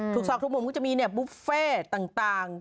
ทุกศักดิ์ทุกมุมก็จะมีเนี่ยบุฟเฟต์ต่าง